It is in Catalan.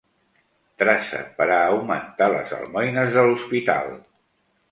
Traça per a augmentar les almoines de l'Hospital.